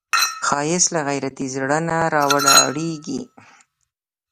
ښایست له غیرتي زړه نه راولاړیږي